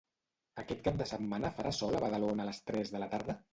Aquest cap de setmana farà sol a Badalona a les tres de la tarda?